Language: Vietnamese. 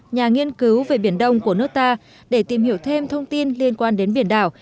nhà nghiên cứu về biển đông của nước ta để tìm hiểu thêm thông tin liên quan đến biển đảo